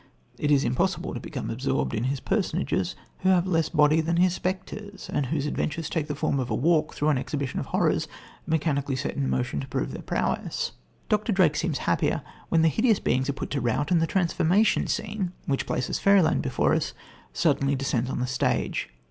It is impossible to become absorbed in his personages, who have less body than his spectres, and whose adventures take the form of a walk through an exhibition of horrors, mechanically set in motion to prove their prowess. Dr. Drake seems happier when the hideous beings are put to rout, and the transformation scene, which places fairyland before us, suddenly descends on the stage.